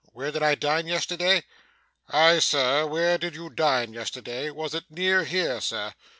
'Where did I dine yesterday?' 'Aye, sir, where did you dine yesterday was it near here, sir?